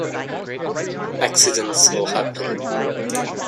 Accidents will happen.